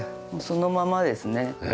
もうそのままですね。